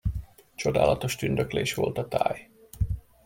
Csodálatos tündöklés volt a táj.